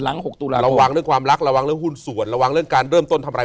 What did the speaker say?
หกตุลาระวังเรื่องความรักระวังเรื่องหุ้นส่วนระวังเรื่องการเริ่มต้นทำอะไร